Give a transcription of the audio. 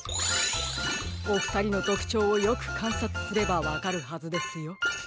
おふたりのとくちょうをよくかんさつすればわかるはずですよ。